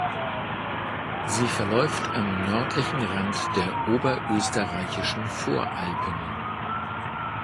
Sie verläuft am nördlichen Rand der oberösterreichischen Voralpen.